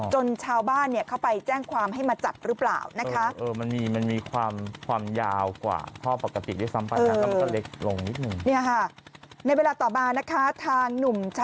จนชาวบ้านเข้าไปแจ้งความให้มาจับหรือเปล่านะคะ